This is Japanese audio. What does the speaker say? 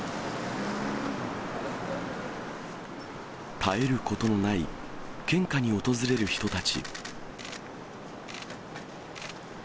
絶えることのない献花に訪れる人たち。